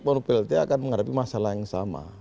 por plt akan menghadapi masalah yang sama